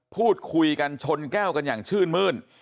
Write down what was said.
พูดคุยกันชนแก้วกันอย่างชื่นมื้น